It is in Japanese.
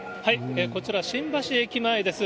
こちら、新橋駅前です。